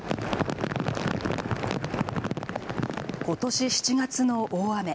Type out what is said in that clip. ことし７月の大雨。